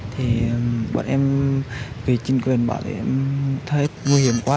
thì bọn em vì chính quyền bảo thấy nó nguy hiểm quá